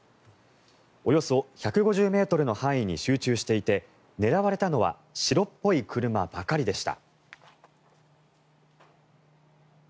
およそ１５０ｍの範囲に集中していて狙われたのは白っぽい車ばかりでした。